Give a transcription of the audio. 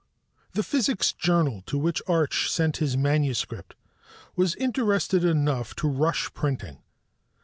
The physics journal to which Arch sent his manuscript was interested enough to rush printing.